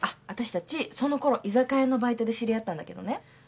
私たちそのころ居酒屋のバイトで知り合ったんだけどね。